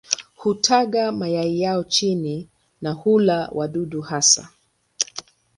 Hutaga mayai yao chini na hula wadudu hasa.